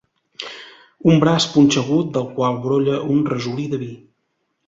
Un braç punxegut del qual brolla un rajolí de vi